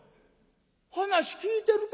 話聞いてるか？